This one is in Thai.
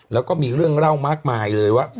แล้วก็มีเรื่องเล่ามากมายเลยว่า